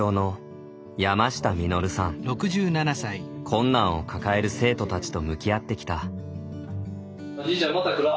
困難を抱える生徒たちと向き合ってきた。